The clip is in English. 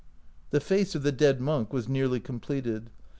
The figure of the dead monk was nearly completed.